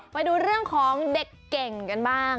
ไปดูเรื่องของเด็กเก่งกันบ้าง